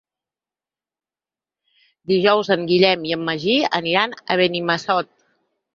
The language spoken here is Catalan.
Dijous en Guillem i en Magí aniran a Benimassot.